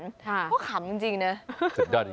เพราะขำจริงนะ